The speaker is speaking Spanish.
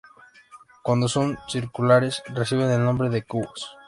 Cuando son circulares reciben el nombre de "cubos".